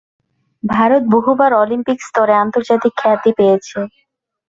ভারত বহুবার অলিম্পিক স্তরে আন্তর্জাতিক খ্যাতি পেয়েছে।